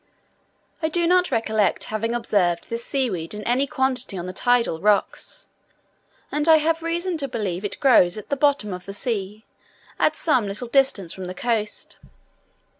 I do not recollect having observed this sea weed in any quantity on the tidal rocks; and I have reason to believe it grows at the bottom of the sea, at some little distance from the coast.